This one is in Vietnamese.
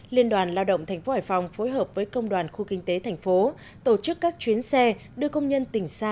liên đoàn lao động thành phố hải phòng phối hợp với công đoàn khu kinh tế thành phố tổ chức các chuyến xe đưa công nhân tỉnh xa